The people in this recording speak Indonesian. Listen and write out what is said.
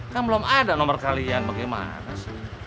kan belum ada nomor kalian bagaimana